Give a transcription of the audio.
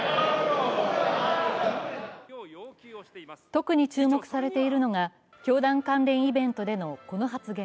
特に注目されているのが教団関連イベントでのこの発言。